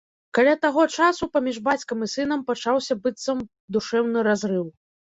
Каля таго часу паміж бацькам і сынам пачаўся быццам душэўны разрыў.